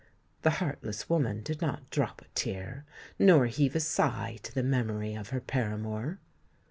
The heartless woman did not drop a tear nor heave a sigh to the memory of her paramour.